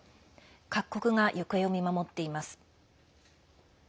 各国が行方を見守っています。